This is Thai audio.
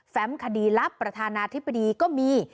คดีลับประธานาธิบดีก็มี